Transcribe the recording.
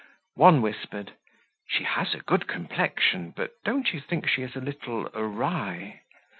One whispered, "She has a good complexion, but don't you think she is a little awry?"